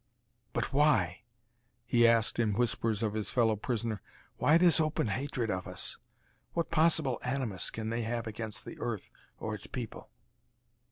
"But why," he asked in whispers of his fellow prisoner, " why this open hatred of us? What possible animus can they have against the earth or its people?"